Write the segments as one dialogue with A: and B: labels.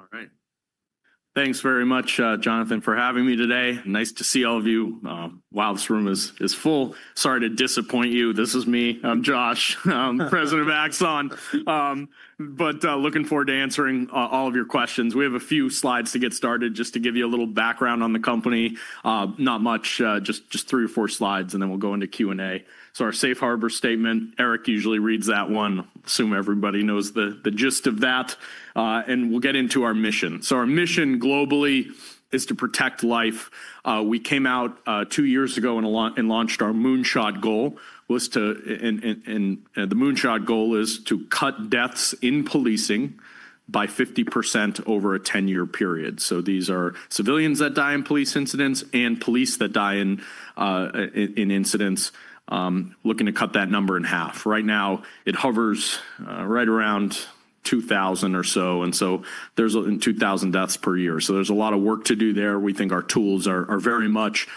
A: All right. Thanks very much, Jonathan, for having me today. Nice to see all of you. Wow, this room is full. Sorry to disappoint you. This is me. I'm Josh, President of Axon. Looking forward to answering all of your questions. We have a few slides to get started, just to give you a little background on the company. Not much, just three or four slides, and then we'll go into Q&A. Our Safe Harbor statement, Eric usually reads that one. Assume everybody knows the gist of that. We'll get into our mission. Our mission globally is to protect life. We came out two years ago and launched our Moonshot Goal. The Moonshot Goal is to cut deaths in policing by 50% over a 10-year period. These are civilians that die in police incidents and police that die in incidents, looking to cut that number in half. Right now, it hovers right around 2,000 or so. There are 2,000 deaths per year. There is a lot of work to do there. We think our tools are very much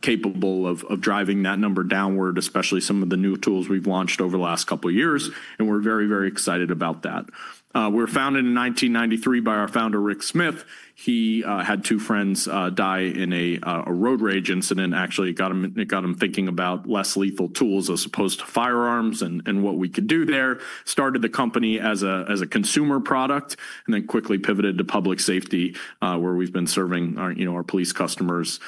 A: capable of driving that number downward, especially some of the new tools we have launched over the last couple of years. We are very, very excited about that. We were founded in 1993 by our founder, Rick Smith. He had two friends die in a road rage incident. Actually, it got him thinking about less lethal tools as opposed to firearms and what we could do there. Started the company as a consumer product and then quickly pivoted to public safety, where we have been serving our police customers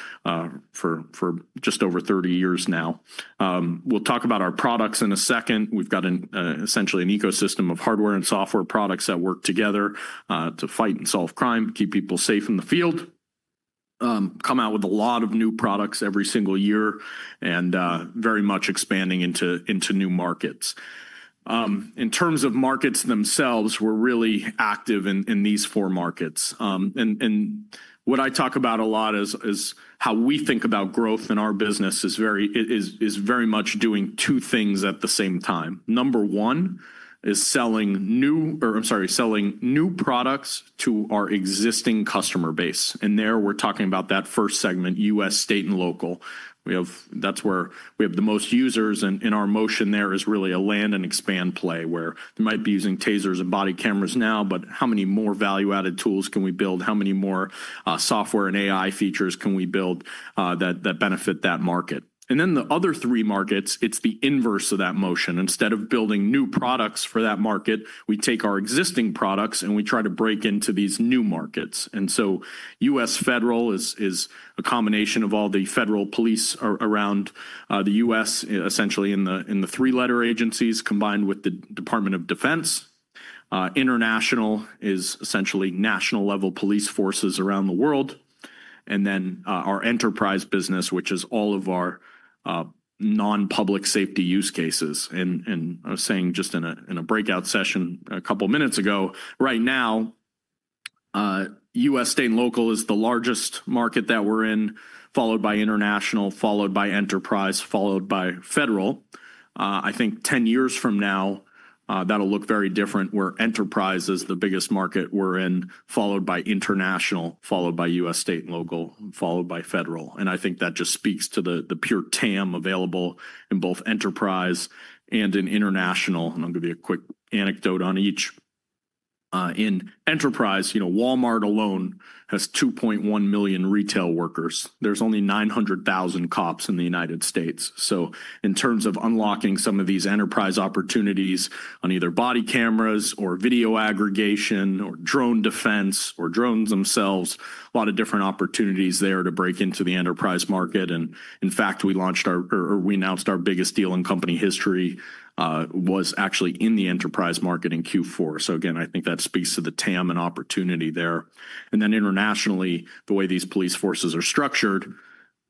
A: for just over 30 years now. We'll talk about our products in a second. We've got essentially an ecosystem of hardware and software products that work together to fight and solve crime, keep people safe in the field, come out with a lot of new products every single year, and very much expanding into new markets. In terms of markets themselves, we're really active in these four markets. What I talk about a lot is how we think about growth in our business is very much doing two things at the same time. Number one is selling new, or I'm sorry, selling new products to our existing customer base. There we're talking about that first segment, U.S. state and local. That's where we have the most users. Our motion there is really a land and expand play, where we might be using TASERs and body cameras now, but how many more value-added tools can we build? How many more software and AI features can we build that benefit that market? The other three markets, it's the inverse of that motion. Instead of building new products for that market, we take our existing products and we try to break into these new markets. U.S. Federal is a combination of all the federal police around the U.S., essentially in the three-letter agencies, combined with the Department of Defense. International is essentially national-level police forces around the world. Our enterprise business is all of our non-public safety use cases. I was saying just in a breakout session a couple of minutes ago, right now, U.S. state and local is the largest market that we're in, followed by international, followed by enterprise, followed by federal. I think 10 years from now, that'll look very different, where enterprise is the biggest market we're in, followed by international, followed by U.S. state and local, followed by federal. I think that just speaks to the pure TAM available in both enterprise and in international. I'm going to be a quick anecdote on each. In enterprise, Walmart alone has 2.1 million retail workers. There's only 900,000 cops in the United States. In terms of unlocking some of these enterprise opportunities on either body cameras or video aggregation or drone defense or drones themselves, a lot of different opportunities there to break into the enterprise market. In fact, we launched our, or we announced our biggest deal in company history was actually in the enterprise market in Q4. I think that speaks to the TAM and opportunity there. Internationally, the way these police forces are structured,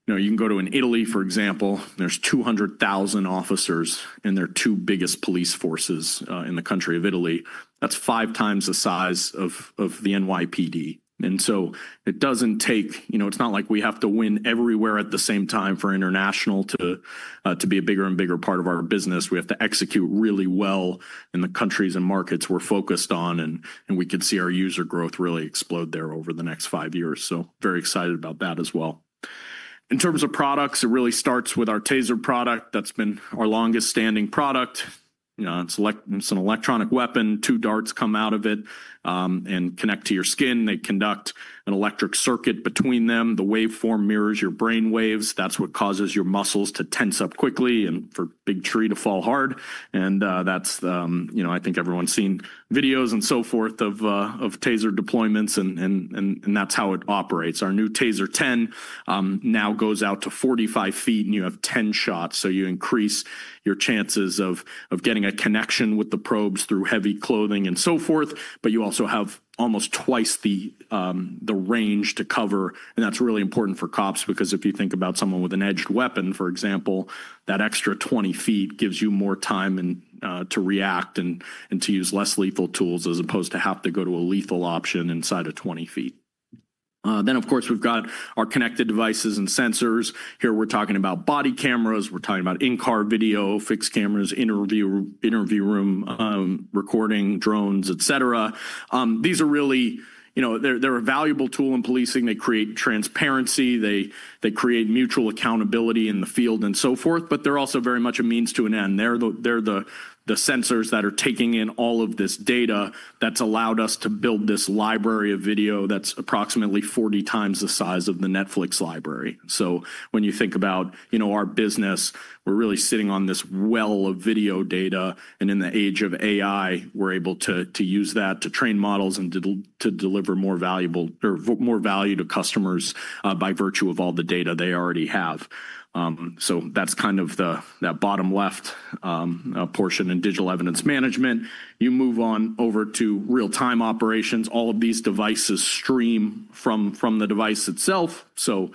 A: you can go to an Italy, for example, there are 200,000 officers in their two biggest police forces in the country of Italy. That is five times the size of the NYPD. It does not take, it is not like we have to win everywhere at the same time for international to be a bigger and bigger part of our business. We have to execute really well in the countries and markets we are focused on, and we could see our user growth really explode there over the next five years. I am very excited about that as well. In terms of products, it really starts with our TASER product. That's been our longest-standing product. It's an electronic weapon. Two darts come out of it and connect to your skin. They conduct an electric circuit between them. The waveform mirrors your brain waves. That's what causes your muscles to tense up quickly and for a big tree to fall hard. I think everyone's seen videos and so forth of TASER deployments, and that's how it operates. Our new TASER 10 now goes out to 45 feet, and you have 10 shots. You increase your chances of getting a connection with the probes through heavy clothing and so forth, but you also have almost twice the range to cover. That is really important for cops because if you think about someone with an edged weapon, for example, that extra 20 feet gives you more time to react and to use less lethal tools as opposed to have to go to a lethal option inside of 20 feet. Of course, we have our Connected Devices and Sensors. Here we are talking about Body Cameras, In-Car Video, Fixed Cameras, Interview Room Recording, Drones, etc. These are really a valuable tool in policing. They create transparency. They create mutual accountability in the field and so forth, but they are also very much a means to an end. They are the sensors that are taking in all of this data that has allowed us to build this library of video that is approximately 40 times the size of the Netflix library. When you think about our business, we're really sitting on this well of video data. In the age of AI, we're able to use that to train models and to deliver more value to customers by virtue of all the data they already have. That's kind of that bottom left portion in digital evidence management. You move on over to real-time operations. All of these devices stream from the device itself. You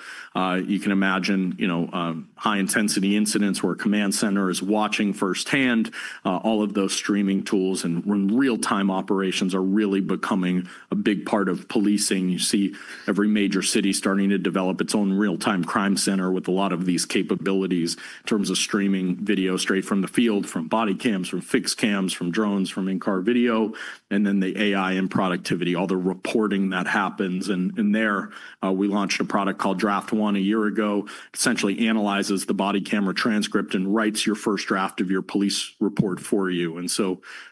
A: can imagine high-intensity incidents where a command center is watching firsthand. All of those streaming tools and real-time operations are really becoming a big part of policing. You see every major city starting to develop its own real-time crime center with a lot of these capabilities in terms of streaming video straight from the field, from body cams, from fixed cams, from drones, from in-car video, and then the AI and productivity, all the reporting that happens. There, we launched a product called Draft One a year ago, essentially analyzes the body camera transcript and writes your first draft of your police report for you.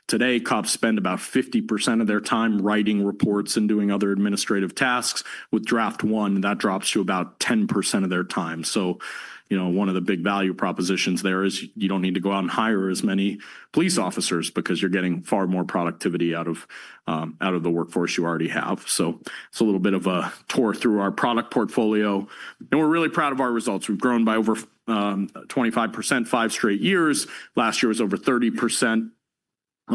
A: Today, cops spend about 50% of their time writing reports and doing other administrative tasks. With Draft One, that drops to about 10% of their time. One of the big value propositions there is you do not need to go out and hire as many police officers because you are getting far more productivity out of the workforce you already have. It's a little bit of a tour through our product portfolio. We're really proud of our results. We've grown by over 25% five straight years. Last year was over 30%.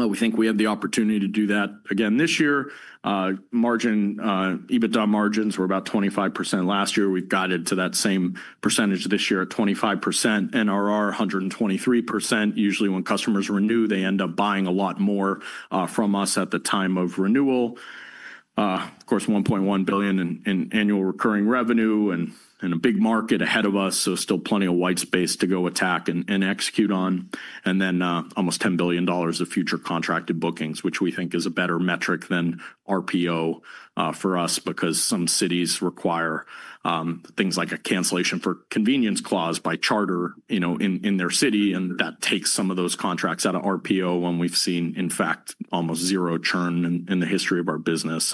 A: We think we have the opportunity to do that again this year. EBITDA margins were about 25% last year. We've gotten to that same percentage this year at 25%. NRR, 123%. Usually, when customers renew, they end up buying a lot more from us at the time of renewal. Of course, $1.1 billion in annual recurring revenue and a big market ahead of us. Still plenty of white space to go attack and execute on. Then almost $10 billion of future contracted bookings, which we think is a better metric than RPO for us because some cities require things like a cancellation for convenience clause by charter in their city. That takes some of those contracts out of RPO when we've seen, in fact, almost zero churn in the history of our business.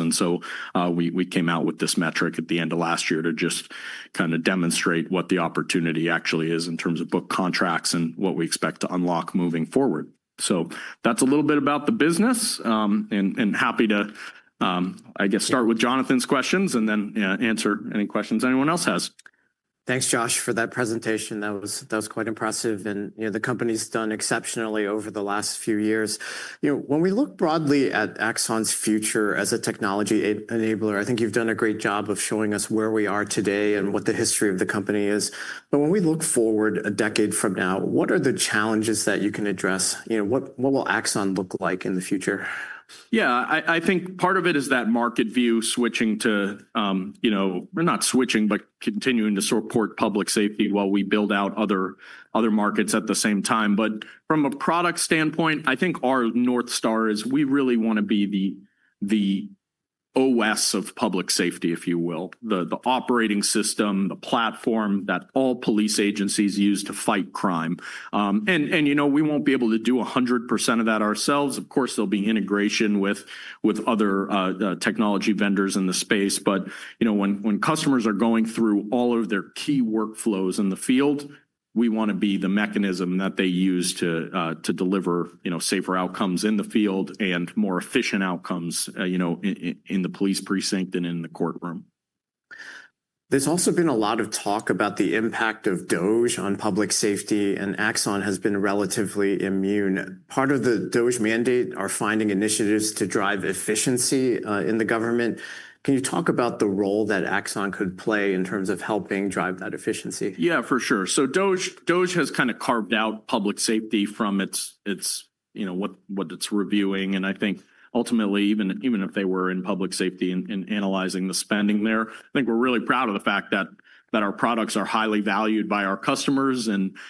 A: We came out with this metric at the end of last year to just kind of demonstrate what the opportunity actually is in terms of book contracts and what we expect to unlock moving forward. That's a little bit about the business. Happy to, I guess, start with Jonathan's questions and then answer any questions anyone else has.
B: Thanks, Josh, for that presentation. That was quite impressive. The company's done exceptionally over the last few years. When we look broadly at Axon's future as a technology enabler, I think you've done a great job of showing us where we are today and what the history of the company is. When we look forward a decade from now, what are the challenges that you can address? What will Axon look like in the future?
A: Yeah, I think part of it is that market view switching to, not switching, but continuing to support public safety while we build out other markets at the same time. From a product standpoint, I think our North Star is we really want to be the OS of public safety, if you will, the operating system, the platform that all police agencies use to fight crime. We won't be able to do 100% of that ourselves. Of course, there'll be integration with other technology vendors in the space. When customers are going through all of their key workflows in the field, we want to be the mechanism that they use to deliver safer outcomes in the field and more efficient outcomes in the police precinct and in the courtroom.
B: There's also been a lot of talk about the impact of DOGE on public safety, and Axon has been relatively immune. Part of the DOGE mandate are finding initiatives to drive efficiency in the government. Can you talk about the role that Axon could play in terms of helping drive that efficiency?
A: Yeah, for sure. DOGE has kind of carved out public safety from what it's reviewing. I think ultimately, even if they were in public safety and analyzing the spending there, I think we're really proud of the fact that our products are highly valued by our customers.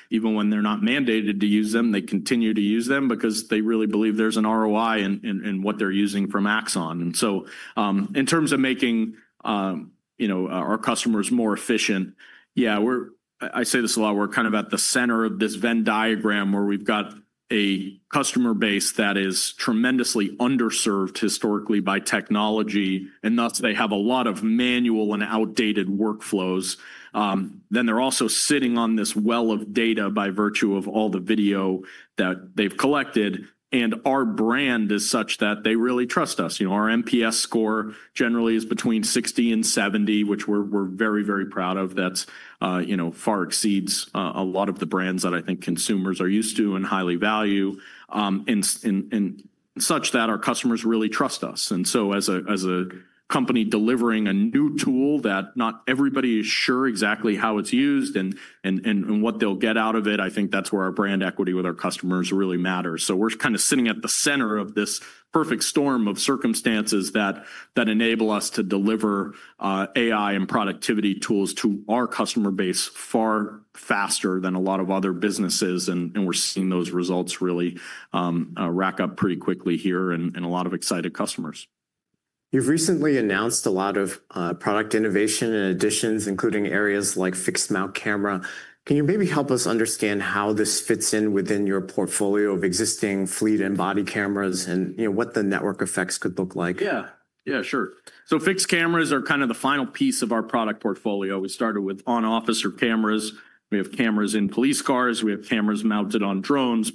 A: Even when they're not mandated to use them, they continue to use them because they really believe there's an ROI in what they're using from Axon. In terms of making our customers more efficient, yeah, I say this a lot. We're kind of at the center of this Venn diagram where we've got a customer base that is tremendously underserved historically by technology. Thus, they have a lot of manual and outdated workflows. They're also sitting on this well of data by virtue of all the video that they've collected. Our brand is such that they really trust us. Our NPS score generally is between 60-70, which we're very, very proud of. That far exceeds a lot of the brands that I think consumers are used to and highly value, such that our customers really trust us. As a company delivering a new tool that not everybody is sure exactly how it's used and what they'll get out of it, I think that's where our brand equity with our customers really matters. We're kind of sitting at the center of this perfect storm of circumstances that enable us to deliver AI and productivity tools to our customer base far faster than a lot of other businesses. We're seeing those results really rack up pretty quickly here and a lot of excited customers.
B: You've recently announced a lot of product innovation and additions, including areas like fixed mount camera. Can you maybe help us understand how this fits in within your portfolio of existing fleet and body cameras and what the network effects could look like?
A: Yeah, yeah, sure. Fixed cameras are kind of the final piece of our product portfolio. We started with on-officer cameras. We have cameras in police cars. We have cameras mounted on drones.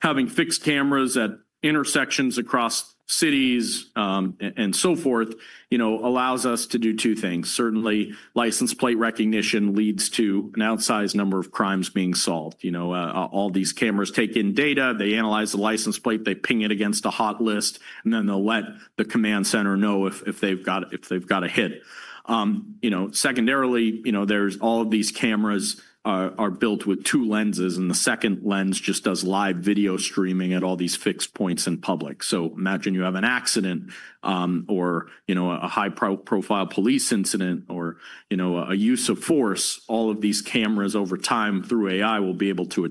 A: Having fixed cameras at intersections across cities and so forth allows us to do two things. Certainly, license plate recognition leads to an outsized number of crimes being solved. All these cameras take in data. They analyze the license plate. They ping it against a hot list. They let the command center know if they've got a hit. Secondarily, all of these cameras are built with two lenses. The second lens just does live video streaming at all these fixed points in public. Imagine you have an accident or a high-profile police incident or a use of force. All of these cameras over time through AI will be able to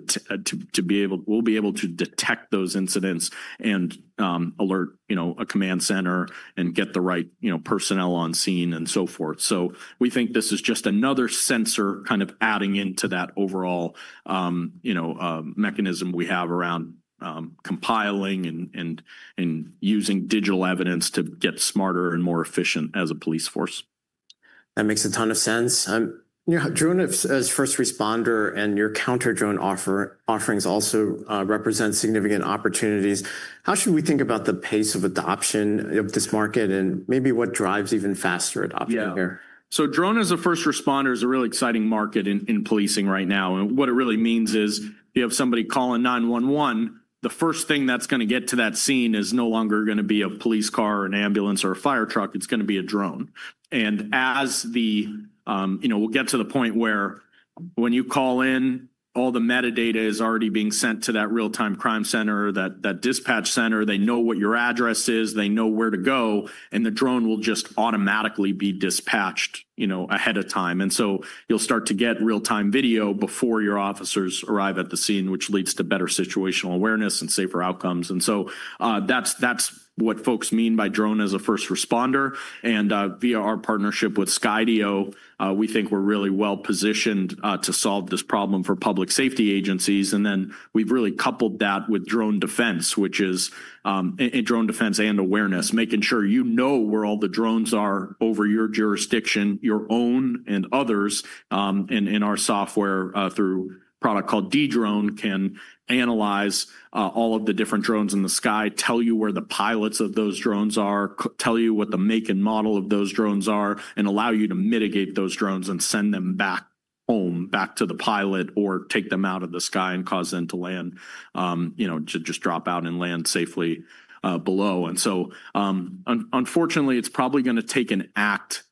A: detect those incidents and alert a command center and get the right personnel on scene and so forth. We think this is just another sensor kind of adding into that overall mechanism we have around compiling and using digital evidence to get smarter and more efficient as a police force.
B: That makes a ton of sense. Drone as first responder and your counter-drone offerings also represent significant opportunities. How should we think about the pace of adoption of this market and maybe what drives even faster adoption here?
A: Yeah. Drone as a first responder is a really exciting market in policing right now. What it really means is if somebody calls 911, the first thing that's going to get to that scene is no longer going to be a police car, an ambulance, or a fire truck. It's going to be a drone. As we get to the point where when you call in, all the metadata is already being sent to that real-time crime center, that dispatch center. They know what your address is. They know where to go. The drone will just automatically be dispatched ahead of time. You'll start to get real-time video before your officers arrive at the scene, which leads to better situational awareness and safer outcomes. That's what folks mean by drone as a first responder. Via our partnership with Skydio, we think we're really well positioned to solve this problem for public safety agencies. We have really coupled that with drone defense, which is drone defense and awareness, making sure you know where all the drones are over your jurisdiction, your own and others. Our software through a product called Dedrone can analyze all of the different drones in the sky, tell you where the pilots of those drones are, tell you what the make and model of those drones are, and allow you to mitigate those drones and send them back home, back to the pilot, or take them out of the sky and cause them to land, to just drop out and land safely below. Unfortunately, it's probably going to take an act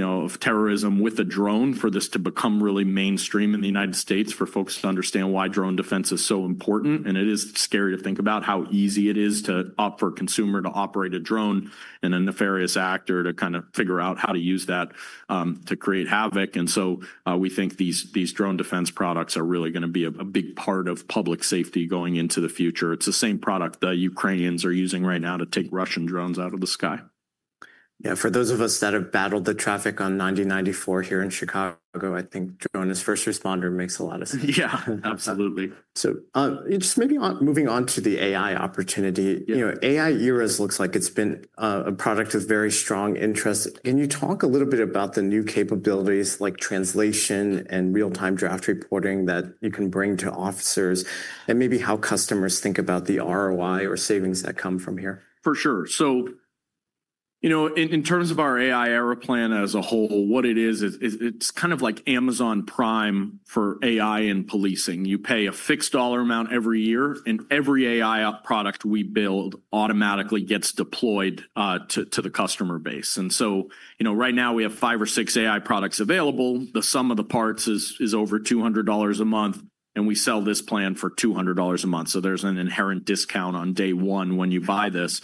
A: of terrorism with a drone for this to become really mainstream in the United States for folks to understand why drone defense is so important. It is scary to think about how easy it is for a consumer to operate a drone and a nefarious actor to kind of figure out how to use that to create havoc. We think these drone defense products are really going to be a big part of public safety going into the future. It's the same product the Ukrainians are using right now to take Russian drones out of the sky.
B: Yeah, for those of us that have battled the traffic on 90-94 here in Chicago, I think drone as first responder makes a lot of sense.
A: Yeah, absolutely.
B: Maybe moving on to the AI opportunity. AI eras looks like it's been a product of very strong interest. Can you talk a little bit about the new capabilities like translation and real-time draft reporting that you can bring to officers and maybe how customers think about the ROI or savings that come from here?
A: For sure. In terms of our AI Era Plan as a whole, what it is, it's kind of like Amazon Prime for AI and policing. You pay a fixed dollar amount every year, and every AI product we build automatically gets deployed to the customer base. Right now, we have five or six AI products available. The sum of the parts is over $200 a month, and we sell this plan for $200 a month. There's an inherent discount on day one when you buy this.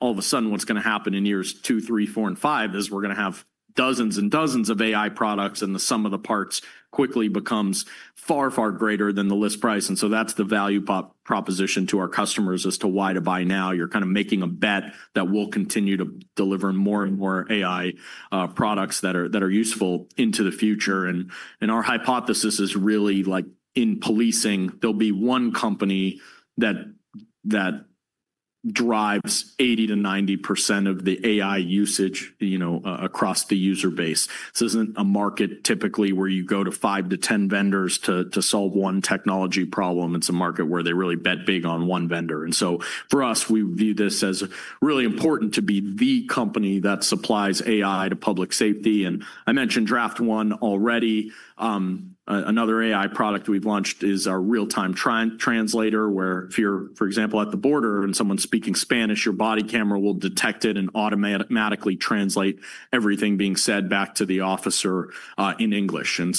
A: All of a sudden, what's going to happen in years two, three, four, and five is we're going to have dozens and dozens of AI products, and the sum of the parts quickly becomes far, far greater than the list price. That's the value proposition to our customers as to why to buy now. You're kind of making a bet that we'll continue to deliver more and more AI products that are useful into the future. Our hypothesis is really like in policing, there'll be one company that drives 80-90% of the AI usage across the user base. This isn't a market typically where you go to five to ten vendors to solve one technology problem. It's a market where they really bet big on one vendor. For us, we view this as really important to be the company that supplies AI to public safety. I mentioned Draft One already. Another AI product we've launched is our real-time translator, where if you're, for example, at the border and someone's speaking Spanish, your body camera will detect it and automatically translate everything being said back to the officer in English. It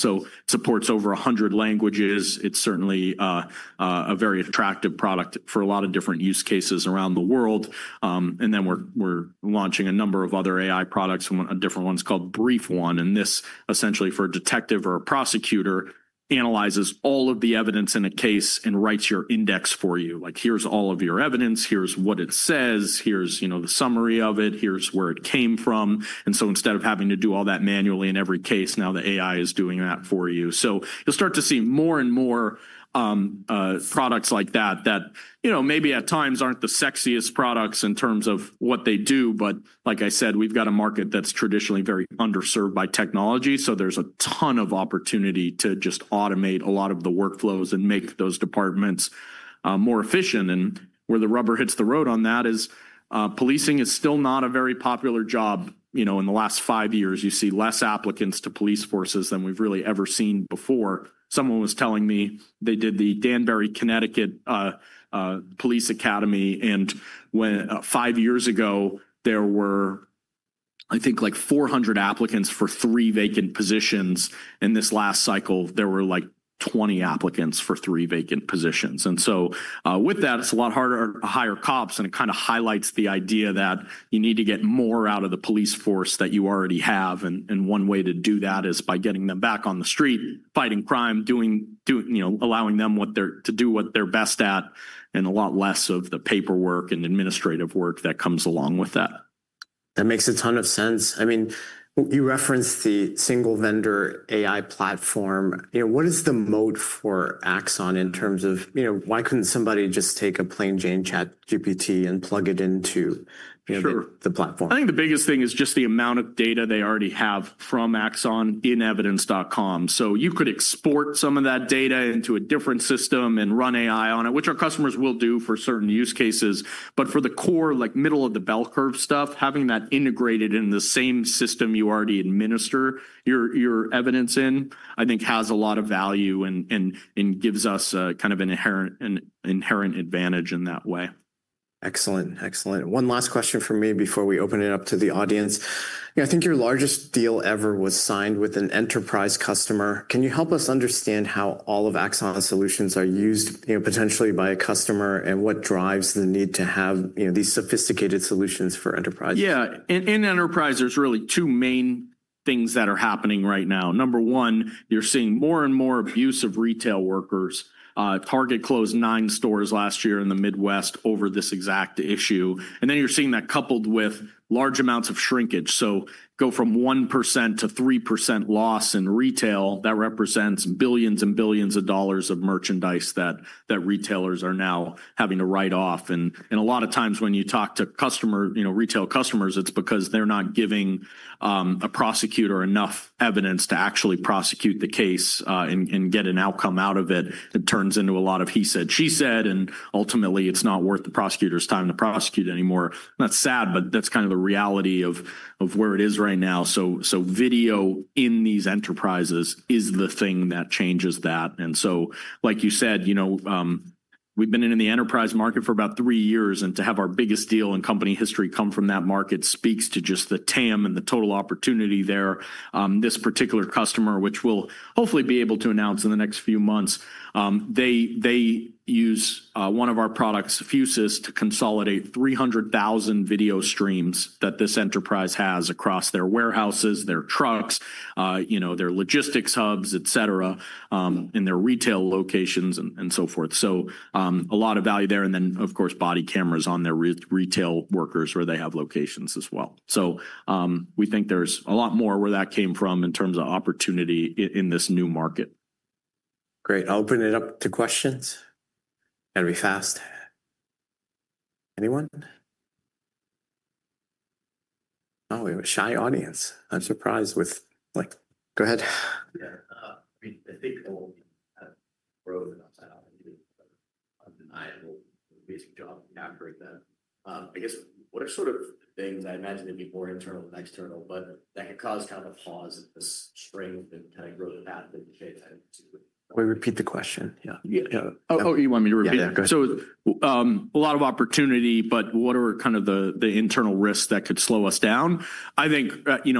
A: supports over 100 languages. It's certainly a very attractive product for a lot of different use cases around the world. We're launching a number of other AI products, different ones called Brief One. This essentially, for a detective or a prosecutor, analyzes all of the evidence in a case and writes your index for you. Like, here's all of your evidence. Here's what it says. Here's the summary of it. Here's where it came from. Instead of having to do all that manually in every case, now the AI is doing that for you. You'll start to see more and more products like that that maybe at times aren't the sexiest products in terms of what they do. Like I said, we've got a market that's traditionally very underserved by technology. There's a ton of opportunity to just automate a lot of the workflows and make those departments more efficient. Where the rubber hits the road on that is policing is still not a very popular job. In the last five years, you see less applicants to police forces than we've really ever seen before. Someone was telling me they did the Danbury, Connecticut Police Academy. Five years ago, there were, I think, like 400 applicants for three vacant positions. In this last cycle, there were like 20 applicants for three vacant positions. With that, it's a lot harder to hire cops. It kind of highlights the idea that you need to get more out of the police force that you already have. One way to do that is by getting them back on the street, fighting crime, allowing them to do what they're best at, and a lot less of the paperwork and administrative work that comes along with that.
B: That makes a ton of sense. I mean, you referenced the single vendor AI platform. What is the moat for Axon in terms of why couldn't somebody just take a plain Jane ChatGPT and plug it into the platform?
A: I think the biggest thing is just the amount of data they already have from Axon in evidence.com. You could export some of that data into a different system and run AI on it, which our customers will do for certain use cases. For the core, like middle of the bell curve stuff, having that integrated in the same system you already administer your evidence in, I think has a lot of value and gives us kind of an inherent advantage in that way.
B: Excellent, excellent. One last question for me before we open it up to the audience. I think your largest deal ever was signed with an enterprise customer. Can you help us understand how all of Axon's solutions are used potentially by a customer and what drives the need to have these sophisticated solutions for enterprise?
A: Yeah. In enterprise, there are really two main things that are happening right now. Number one, you are seeing more and more abuse of retail workers. Target closed nine stores last year in the Midwest over this exact issue. You are seeing that coupled with large amounts of shrinkage. Go from 1% to 3% loss in retail. That represents billions and billions of dollars of merchandise that retailers are now having to write off. A lot of times when you talk to retail customers, it is because they are not giving a prosecutor enough evidence to actually prosecute the case and get an outcome out of it. It turns into a lot of he said, she said. Ultimately, it is not worth the prosecutor's time to prosecute anymore. That is sad, but that is kind of the reality of where it is right now. Video in these enterprises is the thing that changes that. Like you said, we've been in the enterprise market for about three years. To have our biggest deal in company history come from that market speaks to just the TAM and the total opportunity there. This particular customer, which we'll hopefully be able to announce in the next few months, uses one of our products, Fusus, to consolidate 300,000 video streams that this enterprise has across their warehouses, their trucks, their logistics hubs, etc., in their retail locations and so forth. A lot of value there. Of course, body cameras on their retail workers where they have locations as well. We think there's a lot more where that came from in terms of opportunity in this new market.
B: Great. I'll open it up to questions. Gotta be fast. Anyone? Oh, we have a shy audience. I'm surprised with. Go ahead. Brother. Undeniable. Amazing job. I'll break that. I guess what sort of things, I imagine they'd be more internal than external, but that could cause kind of a pause in the spring and kind of grow that in the shape? Can we repeat the question? Yeah. Oh, you want me to repeat it? Yeah, go ahead.
A: A lot of opportunity, but what are kind of the internal risks that could slow us down? I think,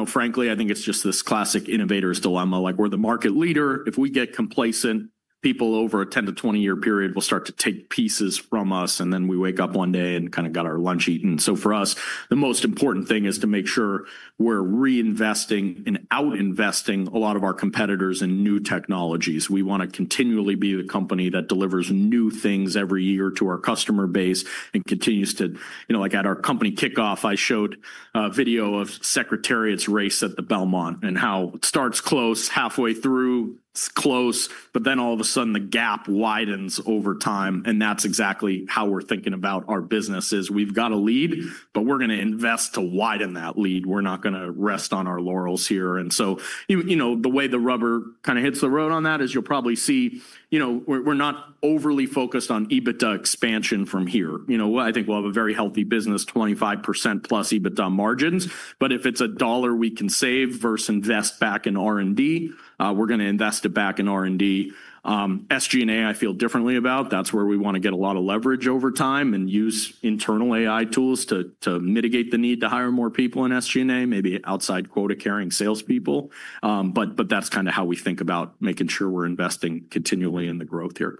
A: frankly, it's just this classic innovator's dilemma. Like, we're the market leader. If we get complacent, people over a 10- to 20-year period will start to take pieces from us. Then we wake up one day and kind of got our lunch eaten. For us, the most important thing is to make sure we're reinvesting and out-investing a lot of our competitors in new technologies. We want to continually be the company that delivers new things every year to our customer base and continues to, like at our company kickoff, I showed a video of Secretariat's race at the Belmont and how it starts close, halfway through, it's close, but then all of a sudden, the gap widens over time. That is exactly how we're thinking about our business. We've got a lead, but we're going to invest to widen that lead. We're not going to rest on our laurels here. The way the rubber kind of hits the road on that is you'll probably see we're not overly focused on EBITDA expansion from here. I think we'll have a very healthy business, 25% plus EBITDA margins. If it's a dollar we can save versus invest back in R&D, we're going to invest it back in R&D. SG&A, I feel differently about. That is where we want to get a lot of leverage over time and use internal AI tools to mitigate the need to hire more people in SG&A, maybe outside quota-carrying salespeople. That is kind of how we think about making sure we're investing continually in the growth here.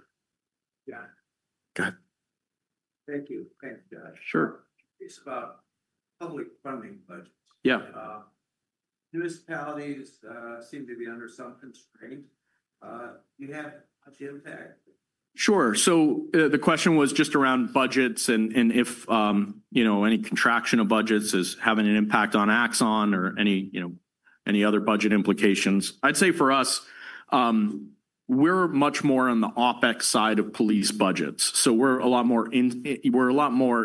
A: Yeah.
B: Go ahead. Thank you. Thank God. Sure. It's about public funding, but municipalities seem to be under some constraint. Do you have much impact?
A: Sure. The question was just around budgets and if any contraction of budgets is having an impact on Axon or any other budget implications. I'd say for us, we're much more on the OpEx side of police budgets. We're a lot more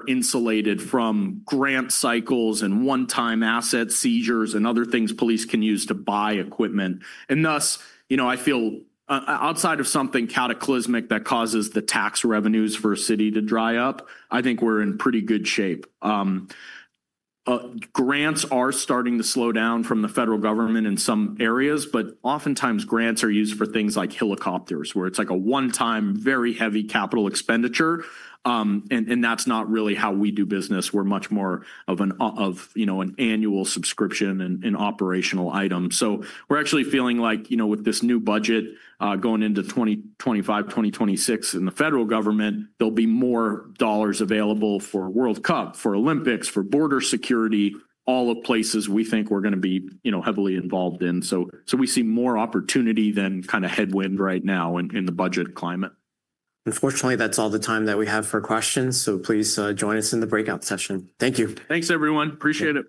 A: insulated from grant cycles and one-time asset seizures and other things police can use to buy equipment. Thus, I feel outside of something cataclysmic that causes the tax revenues for a city to dry up, I think we're in pretty good shape. Grants are starting to slow down from the federal government in some areas, but oftentimes grants are used for things like helicopters, where it's a one-time, very heavy capital expenditure. That's not really how we do business. We're much more of an annual subscription and operational item. We're actually feeling like with this new budget going into 2025, 2026, in the federal government, there will be more dollars available for World Cup, for Olympics, for border security, all the places we think we are going to be heavily involved in. We see more opportunity than kind of headwind right now in the budget climate.
B: Unfortunately, that's all the time that we have for questions. Please join us in the breakout session. Thank you.
A: Thanks, everyone. Appreciate it.